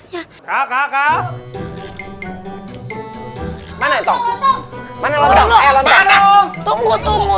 anak saya anak saya otong dimana sabar pas habar ya allah ngelengkan begitu sih nafasnya